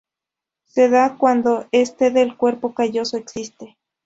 Se da cuando parte del cuerpo calloso existe.